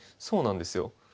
そうなんですよ。